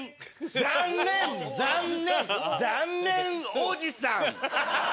残念残念残念おじさん！